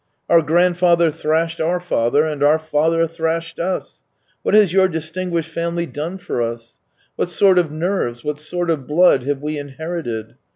Our grandfather thrashed our father, and our father thrashed us. What has your distinguished family done for us ? What sort of nerves, what sort of blood, have we inherited